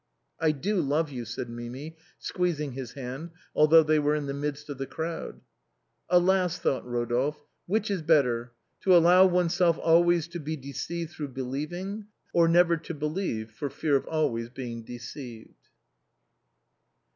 " I do love you," said Mimi, squeezing his hand, al though they were in the midst of the crowd. " Alas !" thought Eodolphe ;" which is better, to allow oneself always to be deceived through believing, or never to believe for fear of being always deceived